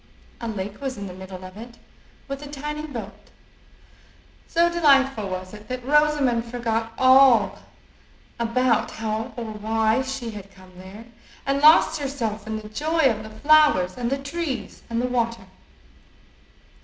A lake was in the middle of it, with a tiny boat. So delightful was it that Rosamond forgot all about how or why she had come there, and lost herself in the joy of the flowers and the trees and the water.